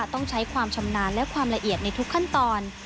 ต้องใช้ความชำนาญและความละเอียดในทุกขั้นตอน